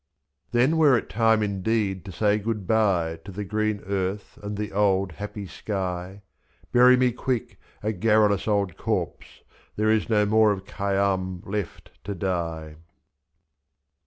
Then were it time indeed to say good bye To the green earth and the old happy sky; 233. Bury me quick, a garrulous old corpse, — There is no more of Khayyam left to die.